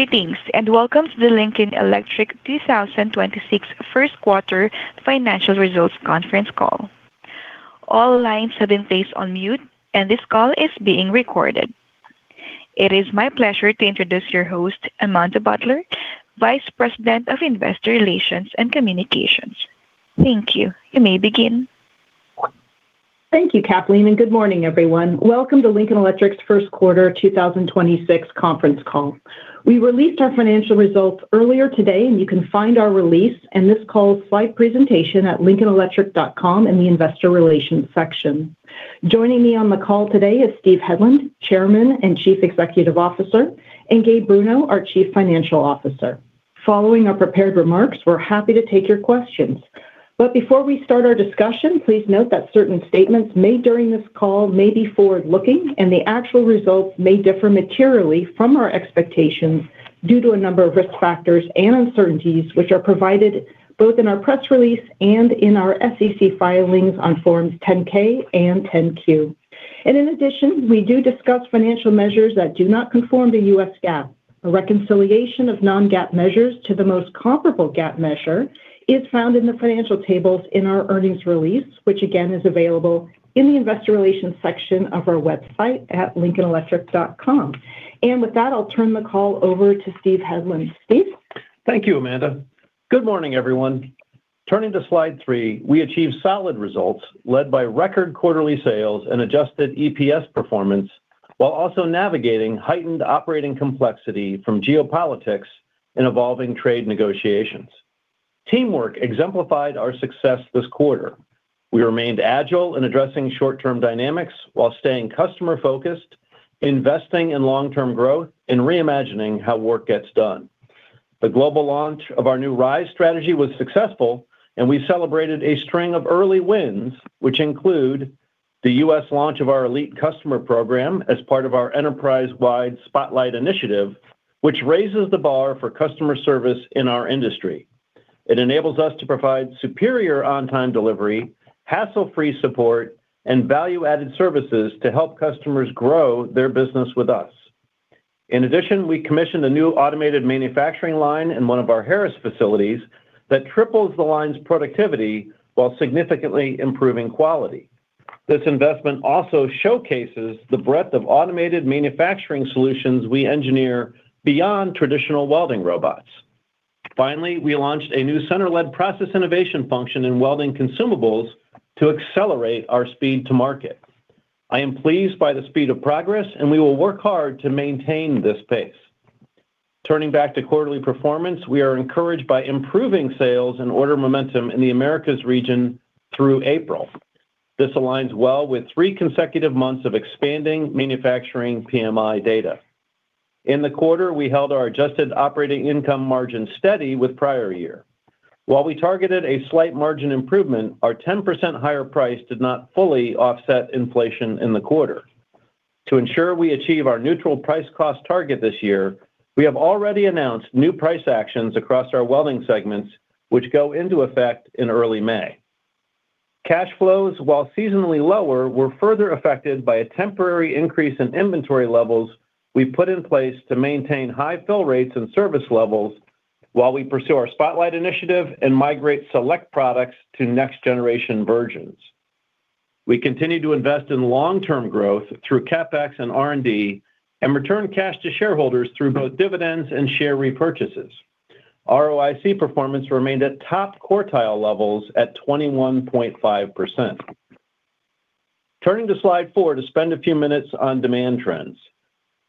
Greetings, and welcome to the Lincoln Electric 2026 Q1 financial results conference call. It is my pleasure to introduce your host, Amanda Butler, Vice President of Investor Relations and Communications. Thank you. You may begin. Thank you, Kathleen, and good morning, everyone. Welcome to Lincoln Electric's Q1 2026 conference call. We released our financial results earlier today, and you can find our release and this call's slide presentation at lincolnelectric.com in the investor relations section. Joining me on the call today is Steve Hedlund, Chairman and Chief Executive Officer, and Gabe Bruno, our Chief Financial Officer. Following our prepared remarks, we're happy to take your questions. Before we start our discussion, please note that certain statements made during this call may be forward-looking, and the actual results may differ materially from our expectations due to a number of risk factors and uncertainties, which are provided both in our press release and in our SEC filings on forms 10-K and 10-Q. In addition, we do discuss financial measures that do not conform to U.S. GAAP. A reconciliation of non-GAAP measures to the most comparable GAAP measure is found in the financial tables in our earnings release, which again is available in the investor relations section of our website at lincolnelectric.com. With that, I'll turn the call over to Steve Hedlund. Steve? Thank you, Amanda. Good morning, everyone. Turning to slide 3, we achieved solid results led by record quarterly sales and adjusted EPS performance while also navigating heightened operating complexity from geopolitics and evolving trade negotiations. Teamwork exemplified our success this quarter. We remained agile in addressing short-term dynamics while staying customer-focused, investing in long-term growth, and reimagining how work gets done. The global launch of our new RISE strategy was successful. We celebrated a string of early wins, which include the U.S. launch of our elite customer program as part of our enterprise-wide Spotlight initiative, which raises the bar for customer service in our industry. It enables us to provide superior on-time delivery, hassle-free support, and value-added services to help customers grow their business with us. In addition, we commissioned a new automated manufacturing line in one of our Harris facilities that triples the line's productivity while significantly improving quality. This investment also showcases the breadth of automated manufacturing solutions we engineer beyond traditional welding robots. We launched a new center-led process innovation function in welding consumables to accelerate our speed to market. I am pleased by the speed of progress, and we will work hard to maintain this pace. Turning back to quarterly performance, we are encouraged by improving sales and order momentum in the Americas region through April. This aligns well with 3 consecutive months of expanding manufacturing PMI data. In the quarter, we held our adjusted operating income margin steady with prior year. While we targeted a slight margin improvement, our 10% higher price did not fully offset inflation in the quarter. To ensure we achieve our neutral price cost target this year, we have already announced new price actions across our welding segments, which go into effect in early May. Cash flows, while seasonally lower, were further affected by a temporary increase in inventory levels we put in place to maintain high fill rates and service levels while we pursue our Spotlight initiative and migrate select products to next-generation versions. We continue to invest in long-term growth through CapEx and R&D and return cash to shareholders through both dividends and share repurchases. ROIC performance remained at top quartile levels at 21.5%. Turning to slide 4 to spend a few minutes on demand trends.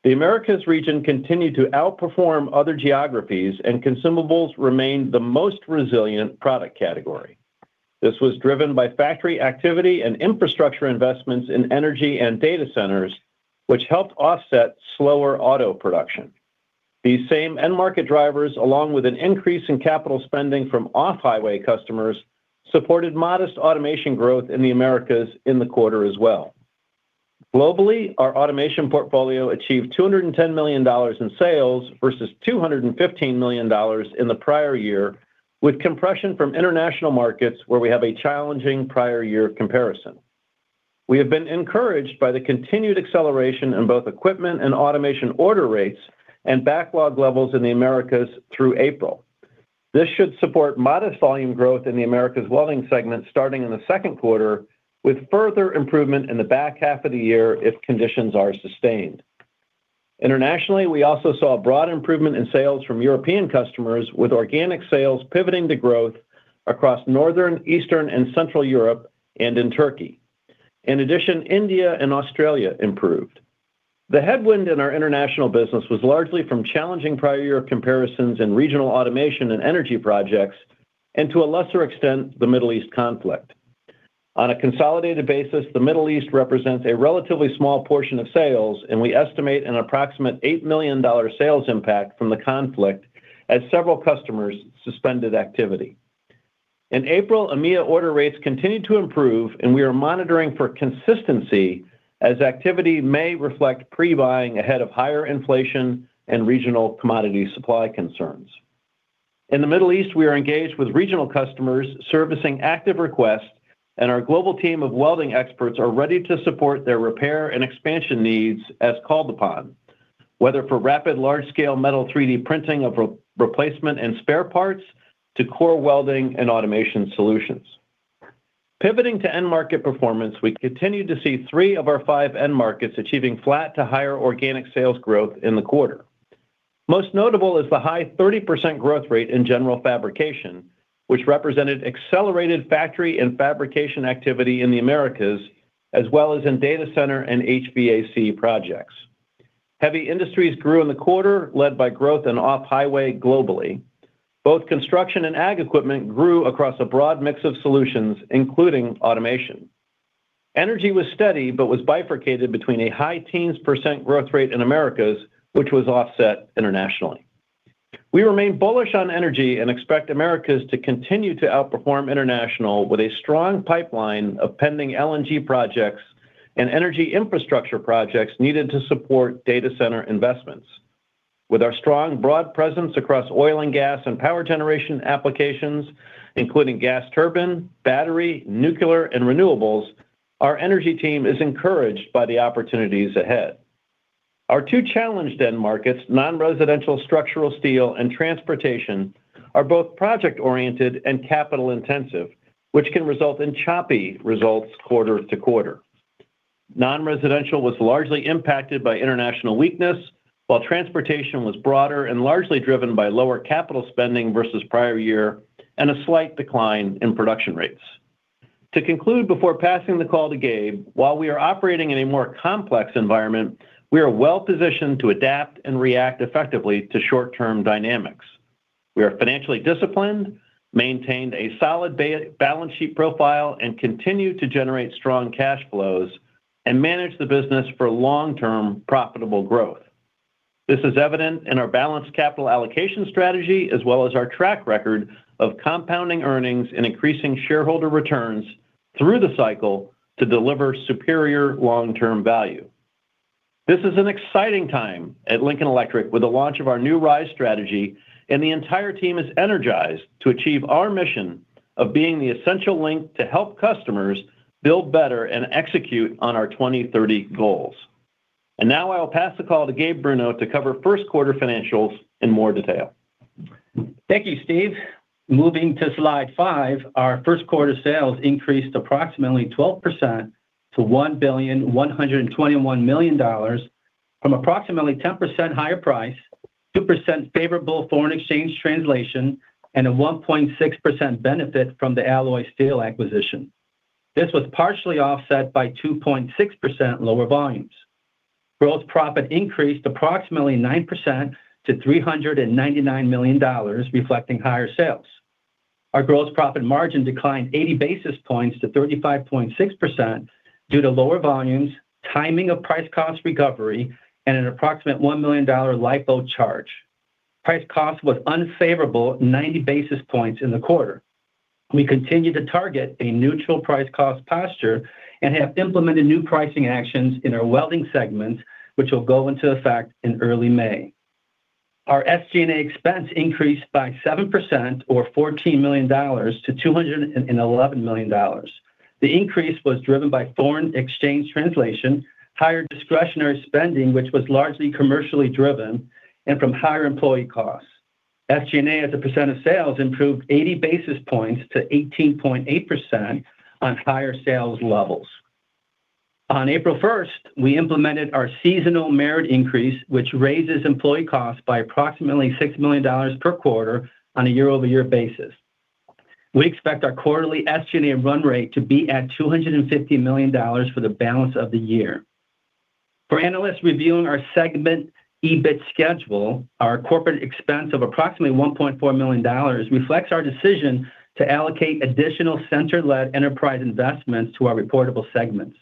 The Americas region continued to outperform other geographies. Consumables remained the most resilient product category. This was driven by factory activity and infrastructure investments in energy and data centers, which helped offset slower auto production. These same end market drivers, along with an increase in capital spending from off-highway customers, supported modest automation growth in the Americas in the quarter as well. Globally, our automation portfolio achieved $210 million in sales versus $215 million in the prior year, with compression from international markets where we have a challenging prior year comparison. We have been encouraged by the continued acceleration in both equipment and automation order rates and backlog levels in the Americas through April. This should support modest volume growth in the Americas Welding segment starting in the Q2, with further improvement in the back half of the year if conditions are sustained. Internationally, we also saw a broad improvement in sales from European customers, with organic sales pivoting to growth across Northern, Eastern, and Central Europe and in Turkey. India and Australia improved. The headwind in our international business was largely from challenging prior year comparisons in regional automation and energy projects and, to a lesser extent, the Middle East conflict. On a consolidated basis, the Middle East represents a relatively small portion of sales, and we estimate an approximate $8 million sales impact from the conflict as several customers suspended activity. In April, EMEA order rates continued to improve, and we are monitoring for consistency as activity may reflect pre-buying ahead of higher inflation and regional commodity supply concerns. In the Middle East, we are engaged with regional customers servicing active requests, and our global team of welding experts are ready to support their repair and expansion needs as called upon, whether for rapid large scale metal, 3D printing of replacement and spare parts to core welding and automation solutions. Pivoting to end market performance, we continue to see 3 of our 5 end markets achieving flat to higher organic sales growth in the quarter. Most notable is the high 30% growth rate in general fabrication, which represented accelerated factory and fabrication activity in the Americas, as well as in data center and HVAC projects. Heavy industries grew in the quarter, led by growth and off-highway globally. Both construction and ag equipment grew across a broad mix of solutions, including automation. Energy was steady, but was bifurcated between a high teens% growth rate in Americas, which was offset Internationally. We remain bullish on energy and expect Americas to continue to outperform International with a strong pipeline of pending LNG projects and energy infrastructure projects needed to support data center investments. With our strong broad presence across oil and gas and power generation applications, including gas turbine, battery, nuclear, and renewables, our energy team is encouraged by the opportunities ahead. Our two challenged end markets, non-residential structural steel and transportation, are both project-oriented and capital intensive, which can result in choppy results quarter-to-quarter. Non-residential was largely impacted by International weakness, while transportation was broader and largely driven by lower capital spending versus prior year and a slight decline in production rates. To conclude, before passing the call to Gabe, while we are operating in a more complex environment, we are well-positioned to adapt and react effectively to short-term dynamics. We are financially disciplined, maintained a solid balance sheet profile, and continue to generate strong cash flows and manage the business for long-term profitable growth. This is evident in our balanced capital allocation strategy, as well as our track record of compounding earnings and increasing shareholder returns through the cycle to deliver superior long-term value. This is an exciting time at Lincoln Electric with the launch of our new RISE strategy, and the entire team is energized to achieve our mission of being the essential link to help customers build better and execute on our 20/30 goals. Now I will pass the call to Gabe Bruno to cover Q1 financials in more detail. Thank you, Steve. Moving to slide 5, our Q1 sales increased approximately 12% to $1.121 billion from approximately 10% higher price, 2% favorable foreign exchange translation, and a 1.6% benefit from the Alloy Steel acquisition. This was partially offset by 2.6% lower volumes. Gross profit increased approximately 9% to $399 million, reflecting higher sales. Our gross profit margin declined 80 basis points to 35.6% due to lower volumes, timing of price cost recovery, and an approximate $1 million LIFO charge. Price cost was unfavorable 90 basis points in the quarter. We continue to target a neutral price cost posture and have implemented new pricing actions in our Welding segment, which will go into effect in early May. Our SG&A expense increased by 7% or $14 million-$211 million. The increase was driven by foreign exchange translation, higher discretionary spending, which was largely commercially driven, and from higher employee costs. SG&A as a percent of sales improved 80 basis points to 18.8% on higher sales levels. On April 1st, we implemented our seasonal merit increase, which raises employee costs by approximately $6 million per quarter on a year-over-year basis. We expect our quarterly SG&A run rate to be at $250 million for the balance of the year. For analysts reviewing our segment EBIT schedule, our corporate expense of approximately $1.4 million reflects our decision to allocate additional center-led enterprise investments to our reportable segments.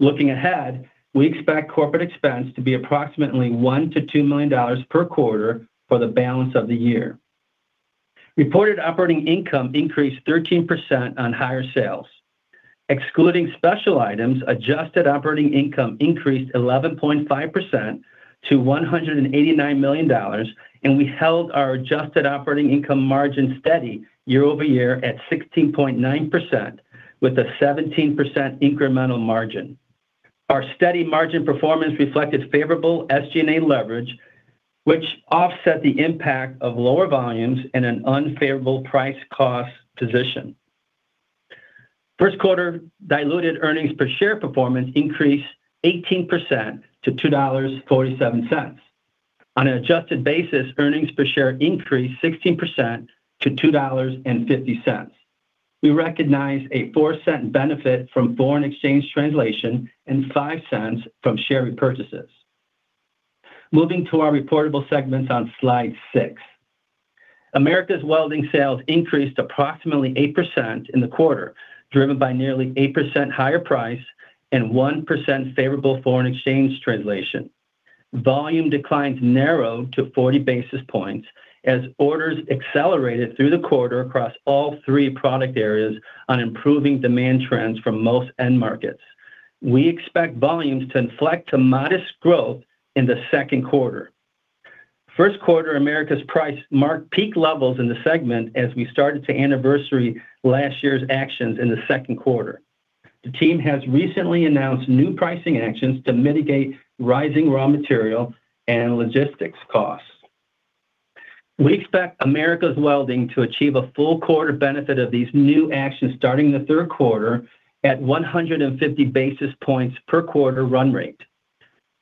Looking ahead, we expect corporate expense to be approximately $1 million-$2 million per quarter for the balance of the year. Reported operating income increased 13% on higher sales. Excluding special items, adjusted operating income increased 11.5% to $189 million, and we held our adjusted operating income margin steady year-over-year at 16.9% with a 17% incremental margin. Our steady margin performance reflected favorable SG&A leverage, which offset the impact of lower volumes and an unfavorable price cost position. Q1 diluted earnings per share performance increased 18% to $2.47. On an adjusted basis, earnings per share increased 16% to $2.50. We recognize a $0.04 benefit from foreign exchange translation and $0.05 from share repurchases. Moving to our reportable segments on slide 6. Americas Welding sales increased approximately 8% in the quarter, driven by nearly 8% higher price and 1% favorable foreign exchange translation. Volume declines narrowed to 40 basis points as orders accelerated through the quarter across all 3 product areas on improving demand trends from most end markets. We expect volumes to inflect to modest growth in the Q2. Q1 Americas price marked peak levels in the segment as we started to anniversary last year's actions in the Q2. The team has recently announced new pricing actions to mitigate rising raw material and logistics costs. We expect Americas Welding to achieve a full quarter benefit of these new actions starting the Q3 at 150 basis points per quarter run rate.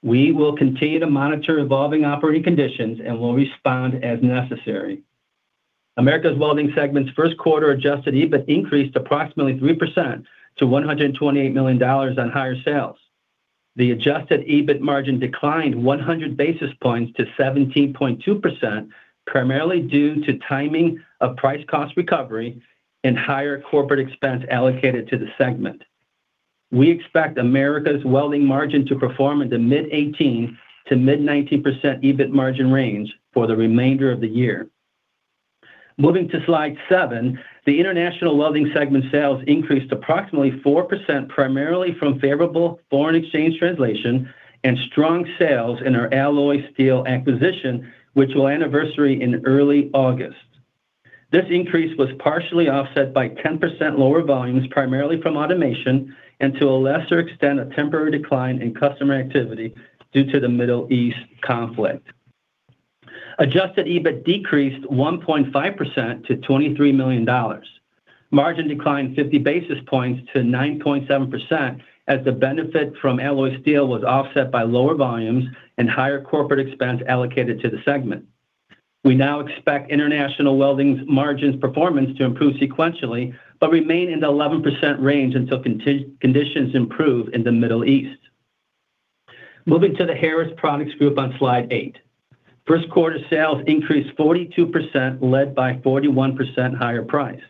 We will continue to monitor evolving operating conditions and will respond as necessary. Americas Welding segment's Q1 adjusted EBIT increased approximately 3% to $128 million on higher sales. The adjusted EBIT margin declined 100 basis points to 17.2%, primarily due to timing of price cost recovery and higher corporate expense allocated to the segment. We expect Americas Welding margin to perform in the mid-18% to mid-19% EBIT margin range for the remainder of the year. Moving to slide 7. The International Welding segment sales increased approximately 4%, primarily from favorable foreign exchange translation and strong sales in our Alloy Steel acquisition, which will anniversary in early August. This increase was partially offset by 10% lower volumes, primarily from automation, and to a lesser extent, a temporary decline in customer activity due to the Middle East conflict. Adjusted EBIT decreased 1.5% to $23 million. Margin declined 50 basis points to 9.7% as the benefit from Alloy Steel was offset by lower volumes and higher corporate expense allocated to the segment. We now expect International Welding's margins performance to improve sequentially, but remain in the 11% range until conditions improve in the Middle East. Moving to the Harris Products Group on slide 8. Q1 sales increased 42%, led by 41% higher price.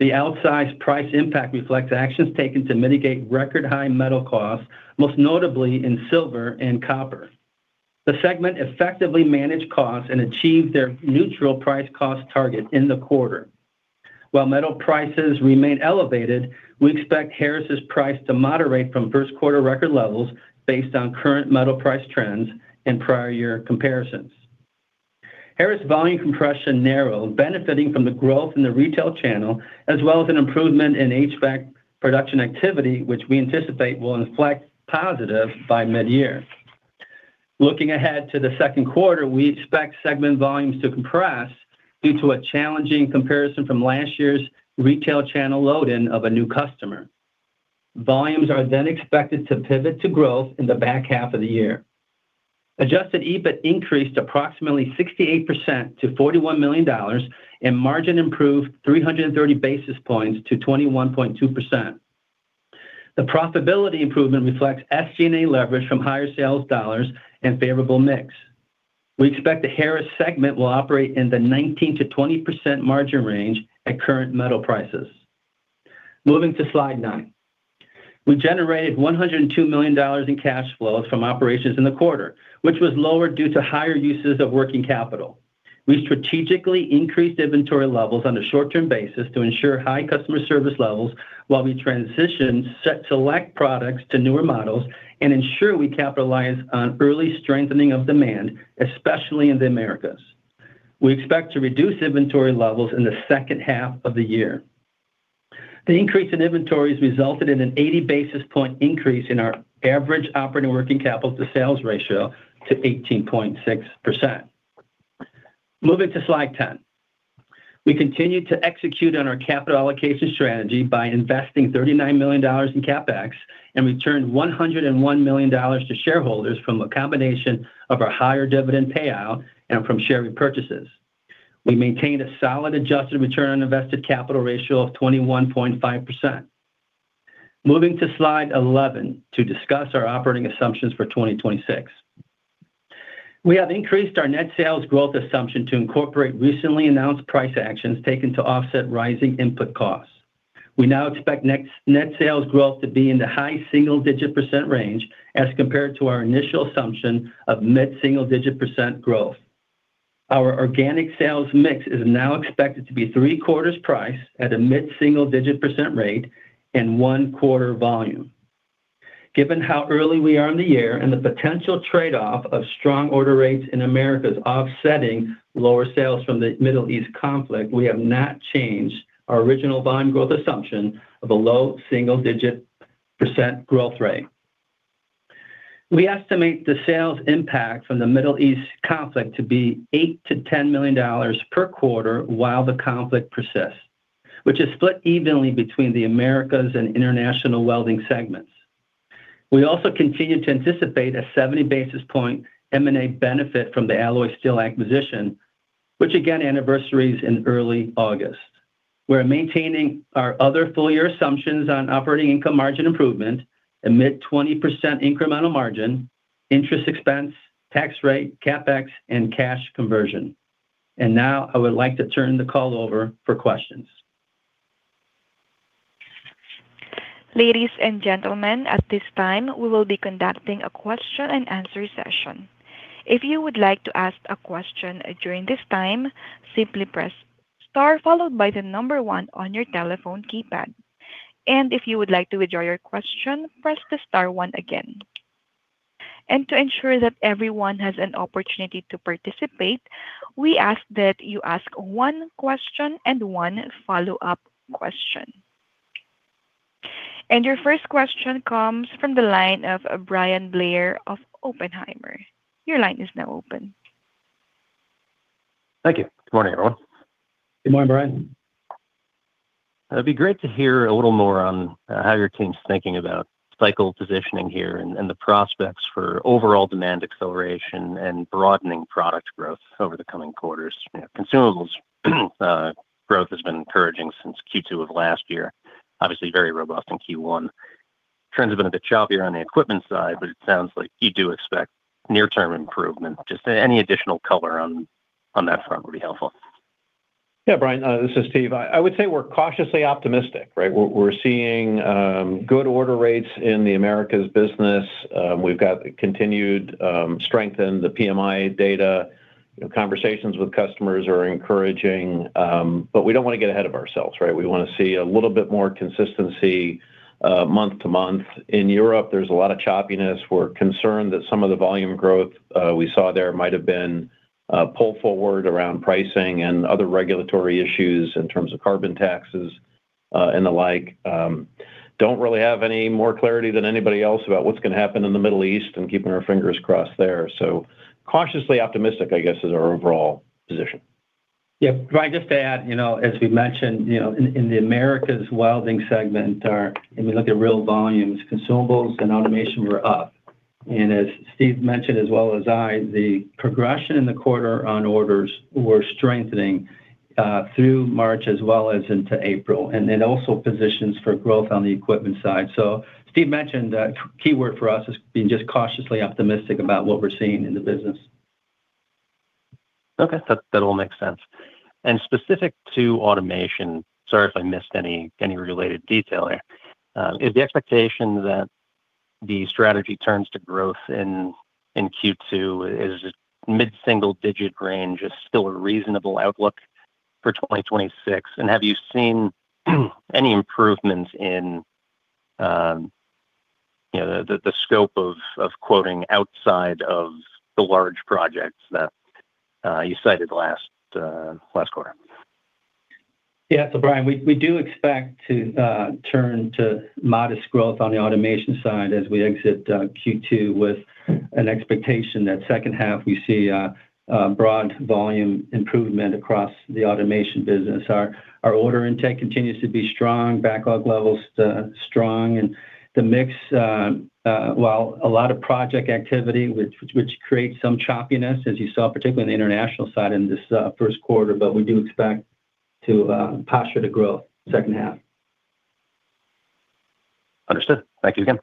The outsized price impact reflects actions taken to mitigate record high metal costs, most notably in silver and copper. The segment effectively managed costs and achieved their neutral price cost target in the quarter. While metal prices remain elevated, we expect Harris's price to moderate from Q1 record levels based on current metal price trends and prior year comparisons. Harris volume compression narrowed, benefiting from the growth in the retail channel, as well as an improvement in HVAC production activity, which we anticipate will inflect positive by mid-year. Looking ahead to the Q2, we expect segment volumes to compress due to a challenging comparison from last year's retail channel load in of a new customer. Volumes are expected to pivot to growth in the back half of the year. Adjusted EBIT increased approximately 68% to $41 million and margin improved 330 basis points to 21.2%. The profitability improvement reflects SG&A leverage from higher sales dollars and favorable mix. We expect the Harris segment will operate in the 19%-20% margin range at current metal prices. Moving to slide 9. We generated $102 million in cash flows from operations in the quarter, which was lower due to higher uses of working capital. We strategically increased inventory levels on a short-term basis to ensure high customer service levels while we transition select products to newer models and ensure we capitalize on early strengthening of demand, especially in the Americas. We expect to reduce inventory levels in the second half of the year. The increase in inventories resulted in an 80 basis point increase in our average operating working capital to sales ratio to 18.6%. Moving to slide 10. We continued to execute on our capital allocation strategy by investing $39 million in CapEx, and returned $101 million to shareholders from a combination of our higher dividend payout and from share repurchases. We maintained a solid adjusted return on invested capital ratio of 21.5%. Moving to slide 11 to discuss our operating assumptions for 2026. We have increased our net sales growth assumption to incorporate recently announced price actions taken to offset rising input costs. We now expect net sales growth to be in the high single-digit % range as compared to our initial assumption of mid-single-digit % growth. Our organic sales mix is now expected to be three-quarters price at a mid-single-digit % rate and Q1 volume. Given how early we are in the year and the potential trade-off of strong order rates in Americas offsetting lower sales from the Middle East conflict, we have not changed our original volume growth assumption of a low single-digit % growth rate. We estimate the sales impact from the Middle East conflict to be $8 million-$10 million per quarter while the conflict persists, which is split evenly between the Americas Welding and International Welding segments. We also continue to anticipate a 70 basis point M&A benefit from the Alloy Steel acquisition, which again anniversaries in early August. We're maintaining our other full-year assumptions on operating income margin improvement at mid-20% incremental margin, interest expense, tax rate, CapEx, and cash conversion. Now I would like to turn the call over for questions. Ladies and gentlemen, at this time, we will be conducting a question and answer session. If you would like to ask a question during this time, simply press star Star followed by the number 1 on your telephone keypad. If you would like to withdraw your question, press the star 1 again. To ensure that everyone has an opportunity to participate, we ask that you ask 1 question and 1 follow-up question. Your first question comes from the line of Bryan Blair of Oppenheimer. Your line is now open. Thank you. Good morning, everyone. Good morning, Bryan. It'd be great to hear a little more on how your team's thinking about cycle positioning here and the prospects for overall demand acceleration and broadening product growth over the coming quarters. You know, consumables, growth has been encouraging since Q2 of last year. Obviously very robust in Q1. Trends have been a bit choppier on the equipment side, but it sounds like you do expect near-term improvement. Just any additional color on that front would be helpful. Bryan, this is Steven. I would say we're cautiously optimistic, right? We're seeing good order rates in the Americas Welding. We've got continued strength in the PMI data. You know, conversations with customers are encouraging, we don't wanna get ahead of ourselves, right? We wanna see a little bit more consistency month to month. In Europe, there's a lot of choppiness. We're concerned that some of the volume growth we saw there might have been pull forward around pricing and other regulatory issues in terms of carbon taxes and the like. Don't really have any more clarity than anybody else about what's gonna happen in the Middle East and keeping our fingers crossed there. Cautiously optimistic, I guess, is our overall position. Yeah. Bryan, just to add, you know, as we mentioned, you know, in the Americas Welding segment. We look at real volumes, consumables and automation were up. As Steve mentioned as well as I, the progression in the quarter on orders were strengthening through March as well as into April, and it also positions for growth on the equipment side. Steve mentioned the key word for us is being just cautiously optimistic about what we're seeing in the business. Okay. That all makes sense. Specific to automation, sorry if I missed any related detail here, is the expectation that the strategy turns to growth in Q2? Is mid-single digit range still a reasonable outlook for 2026? Have you seen any improvements in, you know, the scope of quoting outside of the large projects that you cited last quarter? Yeah. Bryan, we do expect to turn to modest growth on the automation side as we exit Q2 with an expectation that 2nd half we see a broad volume improvement across the automation business. Our order intake continues to be strong, backlog levels strong. The mix, while a lot of project activity, which creates some choppiness as you saw, particularly in the International Welding side in this first quarter, we do expect to posture to grow 2nd half. Understood. Thank you again.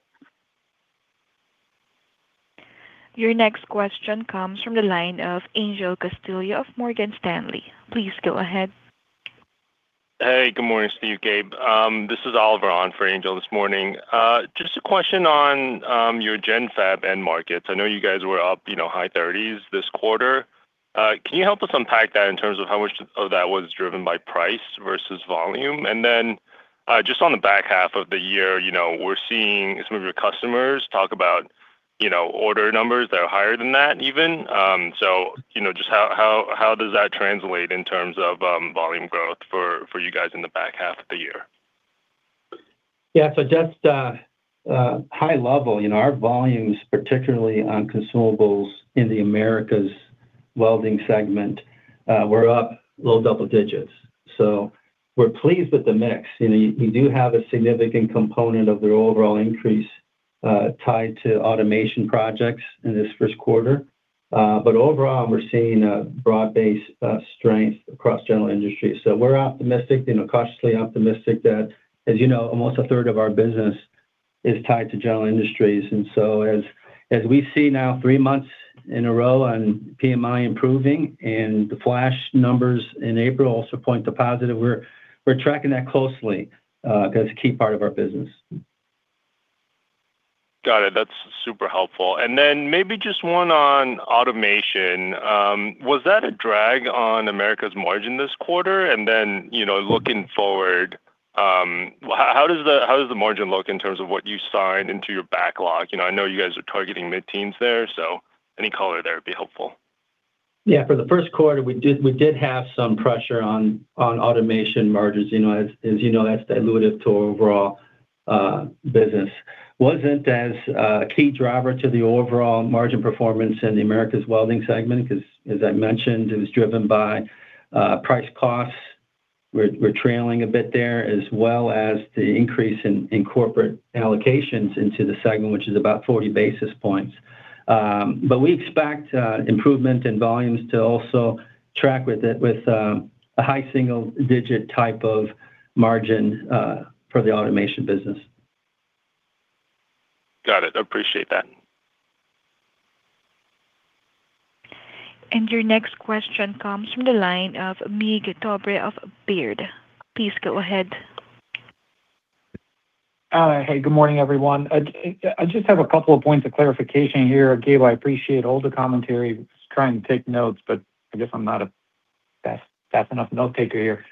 Your next question comes from the line of Angel Castillo of Morgan Stanley. Please go ahead. Hey, good morning, Steve, Gabe. This is Oliver on for Angel this morning. Just a question on your Gen Fab end markets. I know you guys were up, you know, high 30s this quarter. Can you help us unpack that in terms of how much of that was driven by price versus volume? Just on the back half of the year, you know, we're seeing some of your customers talk about, you know, order numbers that are higher than that even. You know, just how does that translate in terms of volume growth for you guys in the back half of the year? Yeah. Just high level, you know, our volumes, particularly on consumables in the Americas Welding segment, were up low double digits. We're pleased with the mix. You know, we do have a significant component of the overall increase tied to automation projects in this first quarter. Overall we're seeing a broad-based strength across general industry. We're optimistic, you know, cautiously optimistic that, as you know, almost a third of our business is tied to general industries. As we see now 3 months in a row on PMI improving and the flash numbers in April also point to positive, we're tracking that closely, 'cause it's a key part of our business. Got it. That's super helpful. Then maybe just one on automation. Was that a drag on Americas margin this quarter? Then, you know, looking forward, how does the margin look in terms of what you signed into your backlog? You know, I know you guys are targeting mid-teens there, any color there would be helpful. Yeah. For the first quarter, we did have some pressure on automation margins. You know, as you know, that's dilutive to our overall business. Wasn't as key driver to the overall margin performance in the Americas Welding segment because, as I mentioned, it was driven by price costs. We're trailing a bit there as well as the increase in corporate allocations into the segment, which is about 40 basis points. We expect improvement in volumes to also track with it with a high single-digit type of margin for the automation business. Got it. Appreciate that. Your next question comes from the line of Mig Dobre of Baird. Please go ahead. Hey, good morning, everyone. I just have a couple of points of clarification here. Gabe, I appreciate all the commentary. I was trying to take notes, I guess I'm not a fast enough note-taker here.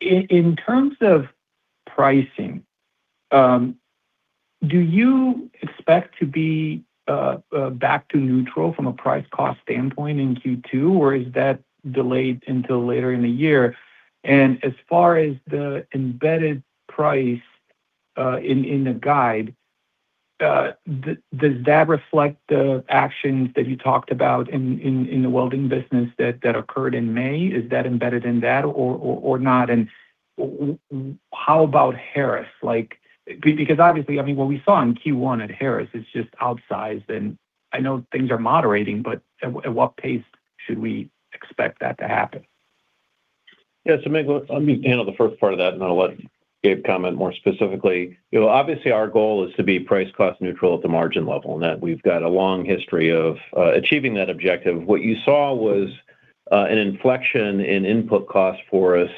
In terms of pricing, do you expect to be back to neutral from a price cost standpoint in Q2, is that delayed until later in the year? As far as the embedded price in the guide, does that reflect the actions that you talked about in the welding business that occurred in May? Is that embedded in that or not? How about Harris? Like, because obviously, I mean, what we saw in Q1 at Harris is just outsized, I know things are moderating, at what pace should we expect that to happen? Mig, let me handle the first part of that, and then I'll let Gabe comment more specifically. You know, obviously our goal is to be price cost neutral at the margin level and that we've got a long history of achieving that objective. What you saw was an inflection in input costs for us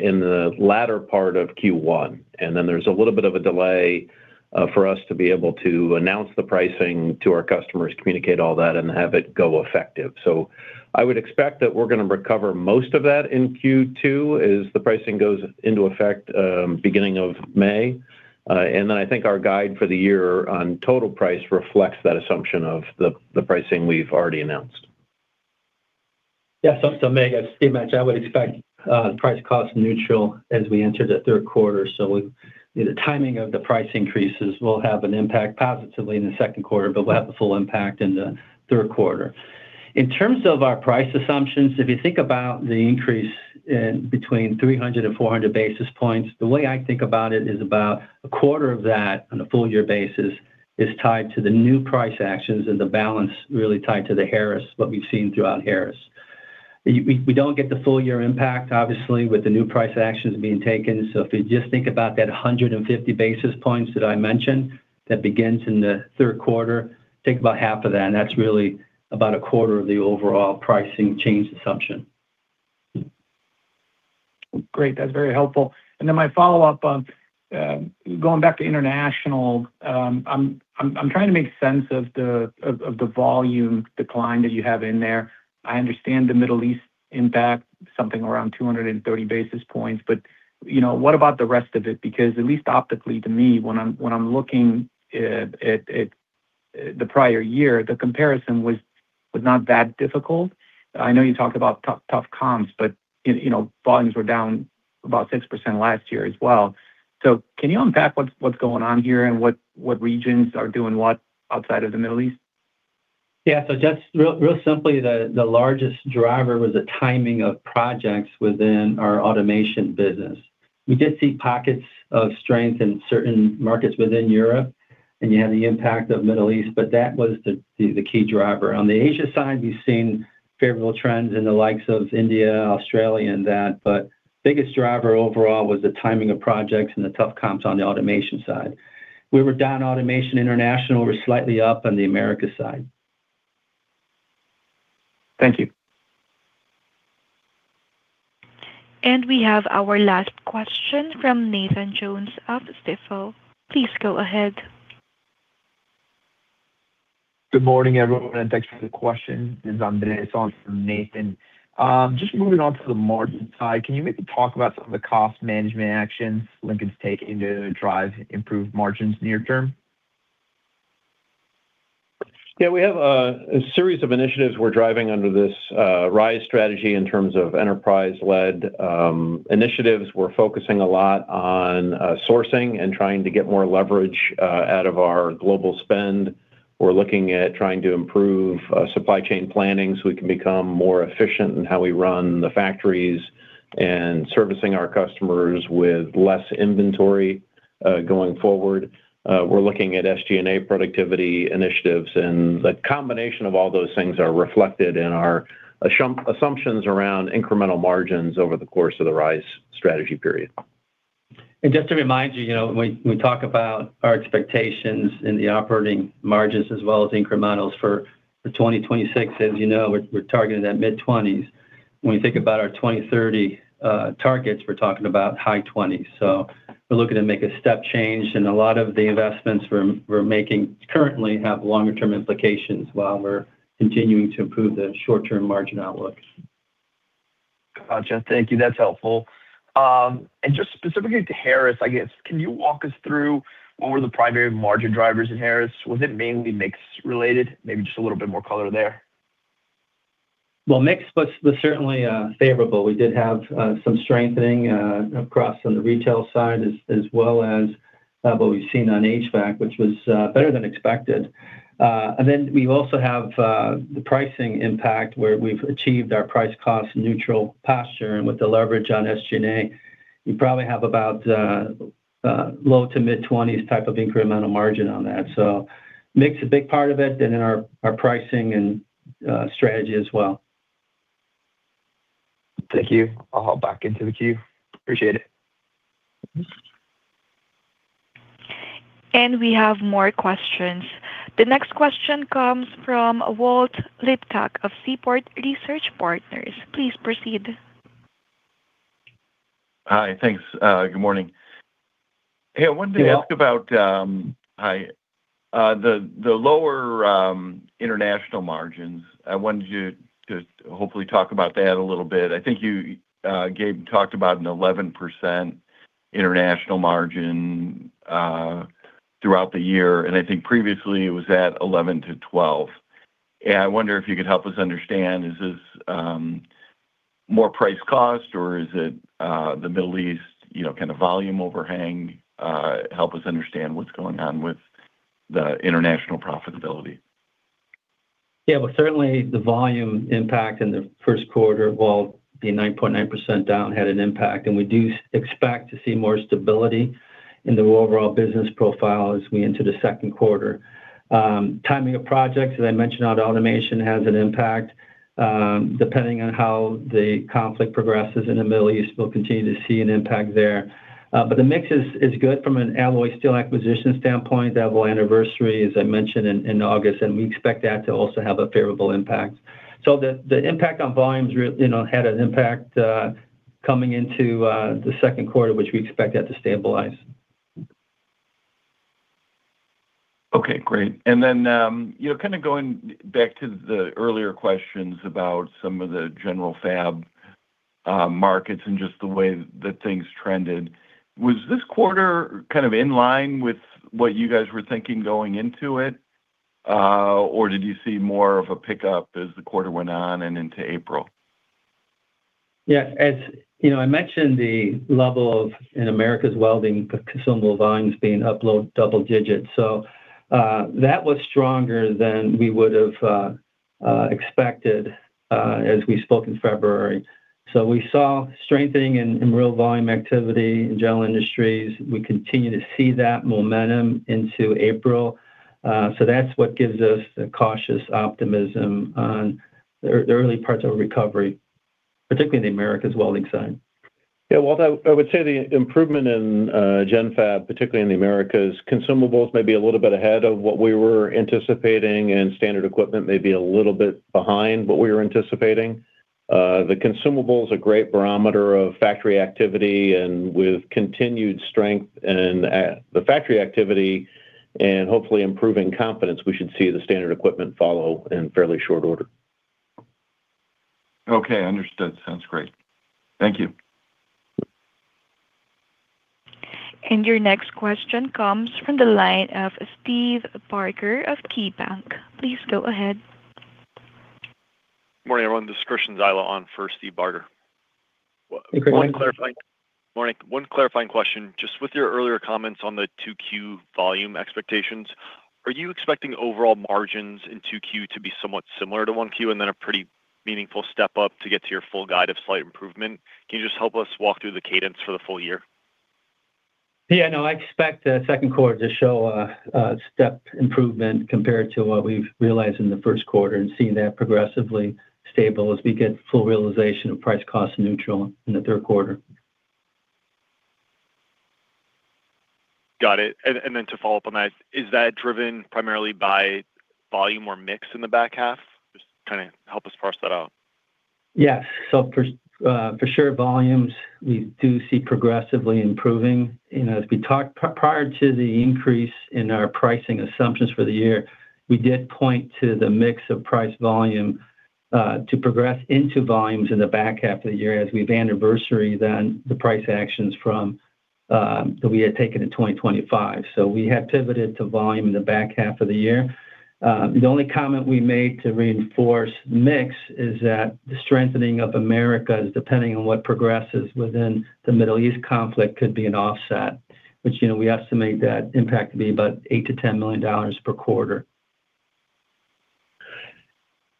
in the latter part of Q1, and then there's a little bit of a delay for us to be able to announce the pricing to our customers, communicate all that, and have it go effective. I would expect that we're gonna recover most of that in Q2 as the pricing goes into effect beginning of May. I think our guide for the year on total price reflects that assumption of the pricing we've already announced. Yeah. Mig, I would expect price cost neutral as we enter the third quarter. The timing of the price increases will have an impact positively in the second quarter, we'll have the full impact in the third quarter. In terms of our price assumptions, if you think about the increase in between 300 and 400 basis points, the way I think about it is about a quarter of that on a full year basis is tied to the new price actions and the balance really tied to the Harris, what we've seen throughout Harris. We don't get the full year impact, obviously, with the new price actions being taken. If you just think about that 150 basis points that I mentioned, that begins in the 3rd quarter, take about half of that, and that's really about a quarter of the overall pricing change assumption. Great. That's very helpful. My follow-up, going back to international, I'm trying to make sense of the volume decline that you have in there. I understand the Middle East impact, something around 230 basis points. You know, what about the rest of it? Because at least optically to me, when I'm looking at the prior year, the comparison was not that difficult. I know you talked about tough comps, but, you know, volumes were down about 6% last year as well. Can you unpack what's going on here and what regions are doing what outside of the Middle East? Yeah. Just real simply, the largest driver was the timing of projects within our automation business. We did see pockets of strength in certain markets within Europe, you had the impact of Middle East, that was the key driver. On the Asia side, we've seen favorable trends in the likes of India, Australia, and that. Biggest driver overall was the timing of projects and the tough comps on the automation side. We were down automation International. We're slightly up on the Americas side. Thank you. We have our last question from Nathan Jones of Stifel. Please go ahead. Good morning, everyone, and thanks for the question. It's John-Erik Anderson on for Nathan Jones. Just moving on to the margin side, can you maybe talk about some of the cost management actions Lincoln's taking to drive improved margins near term? Yeah. We have a series of initiatives we're driving under this RISE strategy in terms of enterprise-led initiatives. We're focusing a lot on sourcing and trying to get more leverage out of our global spend. We're looking at trying to improve supply chain planning so we can become more efficient in how we run the factories and servicing our customers with less inventory going forward. We're looking at SG&A productivity initiatives and the combination of all those things are reflected in our assumptions around incremental margins over the course of the RISE strategy period. Just to remind you know, when we talk about our expectations in the operating margins as well as incrementals for 2026, as you know, we're targeting that mid-20s. When we think about our 2030 targets, we're talking about high 20s. So we're looking to make a step change, and a lot of the investments we're making currently have longer-term implications while we're continuing to improve the short-term margin outlooks. Gotcha. Thank you. That's helpful. Just specifically to Harris, I guess, can you walk us through what were the primary margin drivers in Harris? Was it mainly mix related? Maybe just a little bit more color there. Well, mix was certainly favorable. We did have some strengthening across on the retail side as well as, what we've seen on HVAC, which was better than expected. We also have the pricing impact, where we've achieved our price cost neutral posture. With the leverage on SG&A, we probably have about low to mid-twenties type of incremental margin on that. Mix a big part of it and then our pricing and strategy as well. Thank you. I'll hop back into the queue. Appreciate it. We have more questions. The next question comes from Walter Liptak of Seaport Research Partners. Please proceed. Hi. Thanks. good morning. Yeah ask about the lower international margins. I wanted you to hopefully talk about that a little bit. I think you, Gabe, talked about an 11% international margin throughout the year, and I think previously it was at 11%-12%. I wonder if you could help us understand, is this more price cost or is it the Middle East, you know, kind of volume overhang? Help us understand what's going on with the international profitability. Yeah. Well, certainly the volume impact in the first quarter, while the 9.9% down had an impact. We do expect to see more stability in the overall business profile as we enter the second quarter. Timing of projects, as I mentioned, how the automation has an impact. Depending on how the conflict progresses in the Middle East, we'll continue to see an impact there. The mix is good from an Alloy Steel acquisition standpoint. They have our anniversary, as I mentioned, in August, and we expect that to also have a favorable impact. The impact on volumes, you know, had an impact coming into the second quarter, which we expect that to stabilize. Okay, great. You know, kind of going back to the earlier questions about some of the general fab markets and just the way that things trended. Was this quarter kind of in line with what you guys were thinking going into it, or did you see more of a pickup as the quarter went on and into April? Yeah, as you know, I mentioned the level of in Americas Welding consumable volumes being up double digits. That was stronger than we would have expected as we spoke in February. We saw strengthening in real volume activity in general industries. We continue to see that momentum into April. That's what gives us the cautious optimism on the early parts of recovery, particularly in the Americas Welding side. Yeah. Well, I would say the improvement in general fabrication, particularly in the Americas, consumables may be a little bit ahead of what we were anticipating, and standard equipment may be a little bit behind what we were anticipating. The consumable is a great barometer of factory activity, and with continued strength and the factory activity and hopefully improving confidence, we should see the standard equipment follow in fairly short order. Okay, understood. Sounds great. Thank you. Your next question comes from the line of Steve Barger of KeyBanc. Please go ahead. Morning, everyone. This is Christian Zyla on for Steve Barger. Hey, Christian. Morning. One clarifying question. Just with your earlier comments on the 2Q volume expectations, are you expecting overall margins in 2Q to be somewhat similar to 1Q and then a pretty meaningful step up to get to your full guide of slight improvement? Can you just help us walk through the cadence for the full year? Yeah, no, I expect the second quarter to show a step improvement compared to what we've realized in the first quarter and seeing that progressively stable as we get full realization of price cost neutral in the third quarter. Got it. Then to follow up on that, is that driven primarily by volume or mix in the back half? Just kind of help us parse that out. Yes. For sure, volumes, we do see progressively improving. You know, as we talked prior to the increase in our pricing assumptions for the year, we did point to the mix of price volume to progress into volumes in the back half of the year as we've anniversary then the price actions from that we had taken in 2025. We have pivoted to volume in the back half of the year. The only comment we made to reinforce mix is that the strengthening of Americas depending on what progresses within the Middle East conflict could be an offset, which, you know, we estimate that impact to be about $8 million-$10 million per quarter.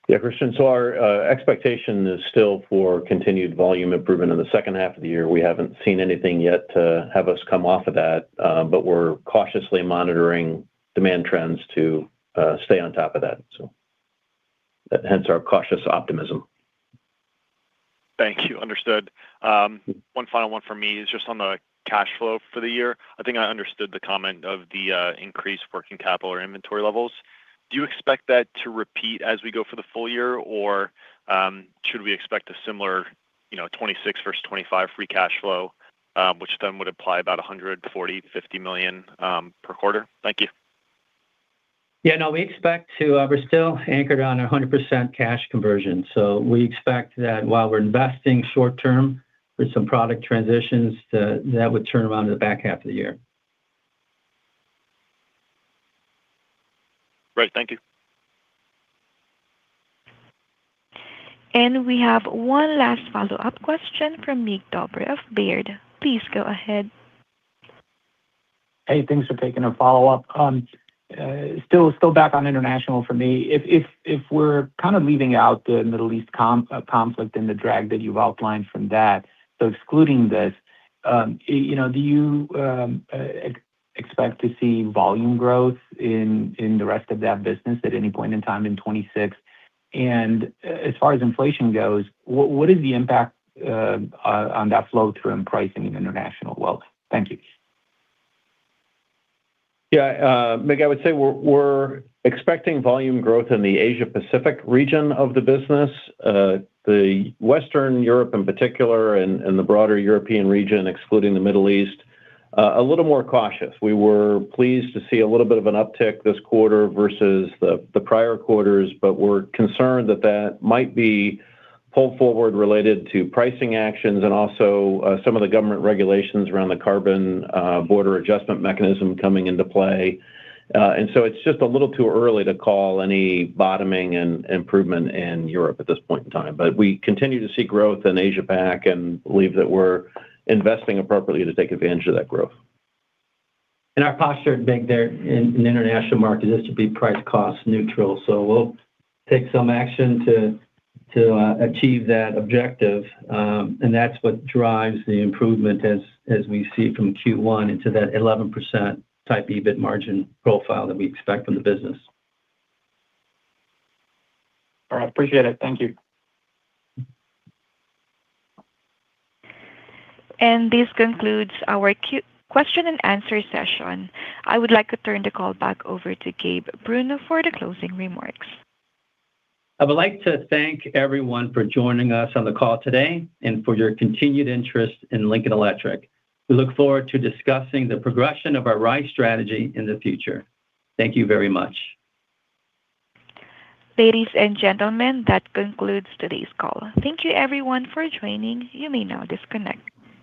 Yeah, Christian, so our expectation is still for continued volume improvement in the second half of the year. We haven't seen anything yet to have us come off of that, but we're cautiously monitoring demand trends to stay on top of that. Hence our cautious optimism. Thank you. Understood. One final one for me is just on the cash flow for the year. I think I understood the comment of the increased working capital or inventory levels. Do you expect that to repeat as we go for the full year, or should we expect a similar, you know, 2026 versus 2025 free cash flow, which then would imply about $140 million-$150 million per quarter? Thank you. Yeah, no, we expect to, we're still anchored on 100% cash conversion. We expect that while we're investing short term with some product transitions that would turn around in the back half of the year. Great. Thank you. We have one last follow-up question from Mig Dobre of Baird. Please go ahead. Hey, thanks for taking a follow-up. still back on International Welding for me. If we're kind of leaving out the Middle East conflict and the drag that you've outlined from that, so excluding this, you know, do you expect to see volume growth in the rest of that business at any point in time in 2026? As far as inflation goes, what is the impact on that flow through in pricing in International Welding? Well, thank you. Yeah. Mig, I would say we're expecting volume growth in the Asia Pac region of the business. The Western Europe in particular and the broader European region, excluding the Middle East, a little more cautious. We were pleased to see a little bit of an uptick this quarter versus the prior quarters, but we're concerned that that might be pulled forward related to pricing actions and also some of the government regulations around the Carbon Border Adjustment Mechanism coming into play. It's just a little too early to call any bottoming and improvement in Europe at this point in time. We continue to see growth in Asia Pac and believe that we're investing appropriately to take advantage of that growth. Our posture, Mig, in international markets is to be price cost neutral. We'll take some action to achieve that objective. That's what drives the improvement as we see from Q1 into that 11% type EBIT margin profile that we expect from the business. All right. Appreciate it. Thank you. This concludes our question and answer session. I would like to turn the call back over to Gabriel Bruno for the closing remarks. I would like to thank everyone for joining us on the call today and for your continued interest in Lincoln Electric. We look forward to discussing the progression of our RISE strategy in the future. Thank you very much. Ladies and gentlemen, that concludes today's call. Thank you everyone for joining. You may now disconnect.